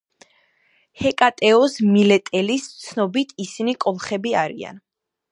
ჰეკატეოს მილეტელის ცნობით ისინი კოლხები არიან.